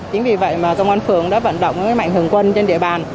chính vì vậy mà công an phường đã vận động mạnh thường quân trên địa bàn